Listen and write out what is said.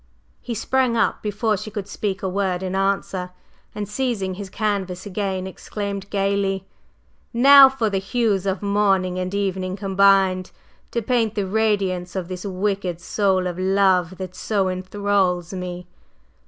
He sprang up before she could speak a word in answer, and seizing his canvas again, exclaimed gayly: "Now for the hues of morning and evening combined, to paint the radiance of this wicked soul of love that so enthralls me!